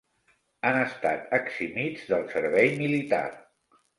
Han estat eximits del servei militar.